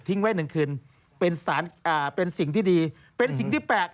ไว้หนึ่งคืนเป็นสารอ่าเป็นสิ่งที่ดีเป็นสิ่งที่แปลก